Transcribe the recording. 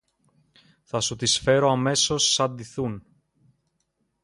Θα σου τις φέρω αμέσως σα ντυθούν.